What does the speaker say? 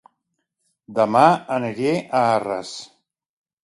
Dema aniré a Arres